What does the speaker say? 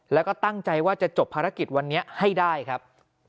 แล้วก็ตั้งใจว่าจะจบภารกิจวันนี้ให้ได้ครับ